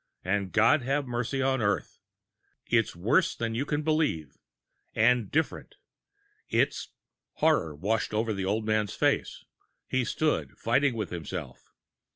And God have mercy on Earth. It's worse than you can believe and different. It's...." Horror washed over the old man's face. He stood, fighting within himself.